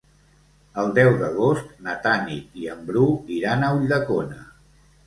El deu d'agost na Tanit i en Bru iran a Ulldecona.